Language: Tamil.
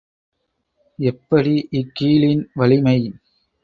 எப்படி இக்கீழின் வலிமை?